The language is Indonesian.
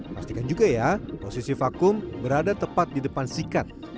pastikan juga ya posisi vakum berada tepat di depan sikat